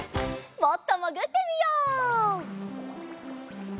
もっともぐってみよう。